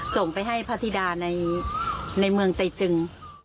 ส่งไปให้พระธิดาในเมืองไตตึง